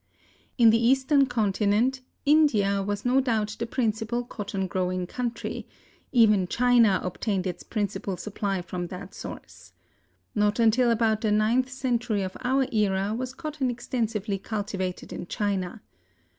In the eastern continent India was no doubt the principal cotton growing country; even China obtained its principal supply from that source. Not until about the ninth century of our era was cotton extensively cultivated in China.